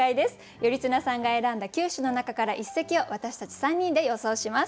頼綱さんが選んだ９首の中から一席を私たち３人で予想します。